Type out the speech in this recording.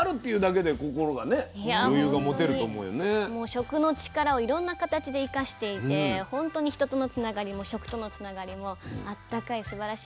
食の力をいろんな形で生かしていて本当に人とのつながりも食とのつながりもあったかいすばらしい場所でした。